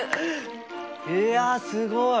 いやすごい。